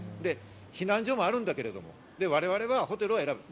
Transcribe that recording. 避難所もあるけれど、我々はホテルを選ぶ。